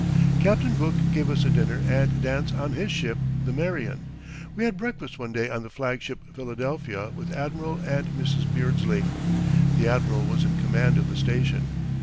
Captain Book gave us a dinner and dance on his ship, the Marian. We had breakfast one day on the flagship Philadelphia with Admiral and Mrs. Beardsley the Admiral was in command of the station.